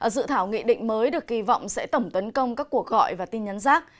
dự thảo nghị định mới được kỳ vọng sẽ tổng tấn công các cuộc gọi và tin nhắn rác